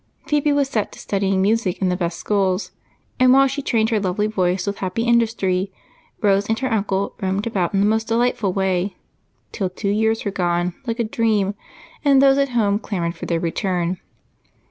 Phebe was set to studying music in the best schools, and while she trained her lovely voice with happy industry, Rose and her uncle roamed about in the most delightful way till two years were gone like a dream and those at home clamored for their return.